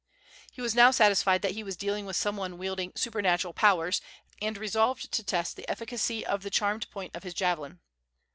He was now satisfied that he was dealing with some one wielding supernatural powers, and resolved to test the efficacy of the charmed point of his javelin.